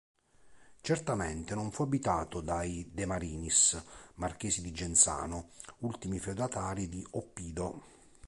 Certamente non fu abitato dai De Marinis, marchesi di Genzano, ultimi feudatari di Oppido.